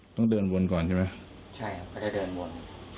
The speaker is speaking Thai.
ต้องเดินวนก่อนใช่ไหมใช่ครับก็จะเดินวน